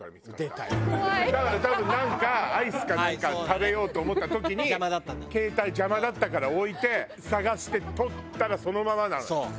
だから多分なんかアイスかなんか食べようと思った時に携帯邪魔だったから置いて探して取ったらそのままなのよ。